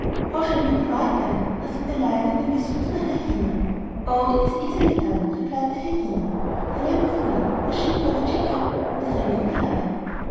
'How shall we divide them?' asked the lion in a whisper to the hyena. 'Oh, it is easily done,' replied the hyena. 'The lamb for me, the sheep for the jackal, and the ram for the lion.